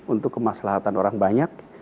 untuk kemaslahatan orang banyak